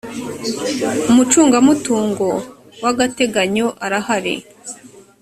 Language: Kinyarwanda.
umucungamutungo wagateganyo arahari.